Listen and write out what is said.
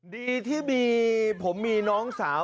ดีที่มีผมมีน้องสาว